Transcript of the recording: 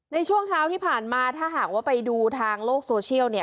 ในช่วงเช้าที่ผ่านมาถ้าหากว่าไปดูทางโลกโซเชียลเนี่ย